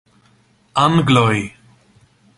Angloj!